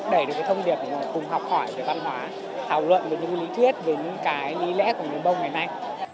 để được cái thông điệp cùng học khỏi về văn hóa thảo luận về những lý thuyết về những cái lý lẽ của người mông ngày nay